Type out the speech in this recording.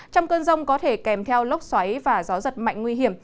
trong cơn rông có thể kèm theo lốc xoáy và gió giật mạnh nguy hiểm